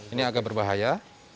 ini agak berbahaya